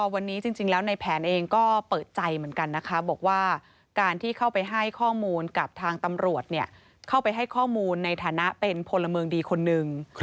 วันนี้จริงแล้วในแผนเองก็เปิดใจเหมือนกันนะคะบอกว่าการที่เข้าไปให้ข้อมูลกับทางตำรวจเข้าไปให้ข้อมูลในฐานะเป็นพลเมืองดีคนหนึ่ง